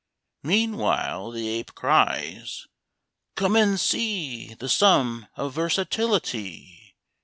Meanwhile the Ape cries "Come, and see The sum of versatility!